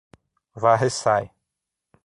Varre-Sai